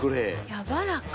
やわらか。